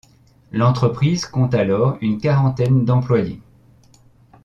L'entreprise compte alors une quarantaine d'employés.